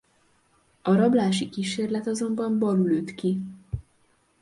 A rablási kísérlet azonban balul üt ki.